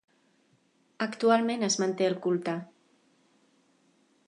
Actualment es manté el culte.